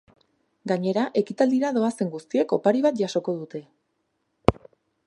Gainera, ekitaldira doazen guztiek opari bat jasoko dute.